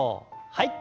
はい。